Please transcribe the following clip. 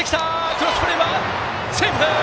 クロスプレーはセーフ！